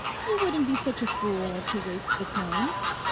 You wouldn't be such a fool as to waste the time.